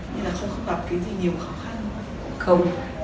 như là không gặp cái gì nhiều khó khăn đúng không ạ